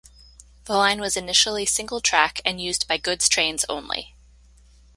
The line was initially single track and used by goods trains only.